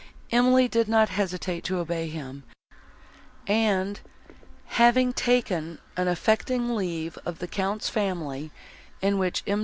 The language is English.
Emily did not hesitate to obey him, and, having taken an affecting leave of the Count's family, in which M.